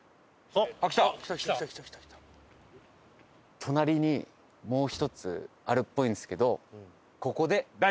隣にもう１つあるっぽいんですけど。